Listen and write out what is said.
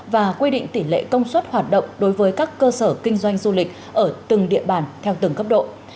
và quy định tỷ lệ công suất hoạt động đối với các cơ sở kinh doanh du lịch ở từng địa bàn theo từng cấp độ